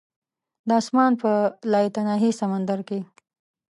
د اسمان په لایتناهي سمندر کې